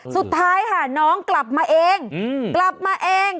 สุดท้ายค่ะน้องกลับมาเองกลับมาเอง